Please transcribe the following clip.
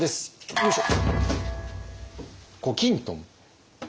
よいしょ！